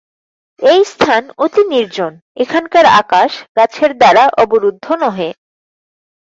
এই স্থান অতি নির্জন-এখানকার আকাশ গাছের দ্বারা অবরুদ্ধ নহে।